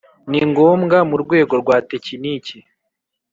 ni ngombwa mu rwego rwa tekiniki